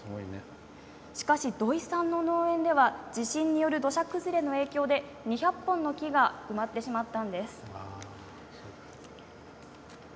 しかし、土居さんの農園では地震による土砂崩れの影響で２００本の木が埋まったんです。